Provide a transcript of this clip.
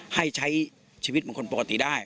ให้ใช้ชีวิตเหมือนคนปกติได้